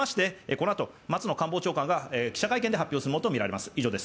このあと、松野官房長官が記者会見で発表するものとみられます。